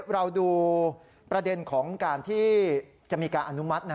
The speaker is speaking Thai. เราดูประเด็นของการที่จะมีการอนุมัติ